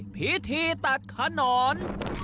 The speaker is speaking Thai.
พิธีตัดขนอน